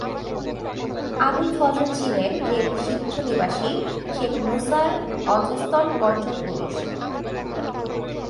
আবুল ফজল ছিলেন রেল সিন্ধ নিবাসী শেখ মুসার অধস্তন পঞ্চম পুরুষ।